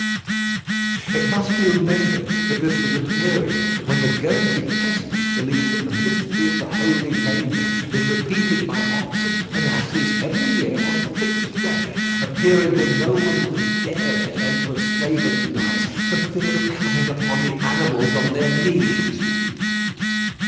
It must be remembered that this was a period when the Guernsey peasants believed that the Mystery of the Holy Manger is repeated by oxen and asses every year on a fixed day; a period when no one would have dared to enter a stable at night for fear of coming upon the animals on their knees.